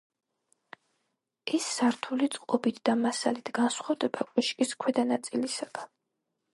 ეს სართული წყობით და მასალით განსხვავდება კოშკის ქვედა ნაწილისაგან.